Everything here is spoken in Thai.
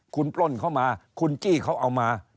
คุณปล้นเข้ามาคุณจี้เขาเอามา